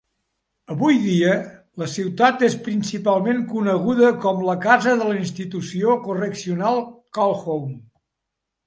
Avui dia, la ciutat és principalment coneguda com la casa de la institució Correccional Calhoun.